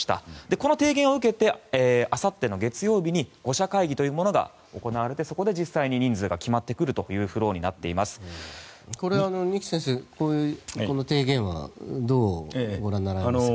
この提言を受けてあさっての月曜日に５者協議というものが行われて、そこで実際に人数が決まるという二木先生、この提言はどうご覧になられますか？